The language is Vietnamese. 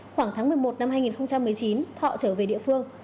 khoảng tháng một mươi một năm hai nghìn một mươi chín thọ trở về địa phương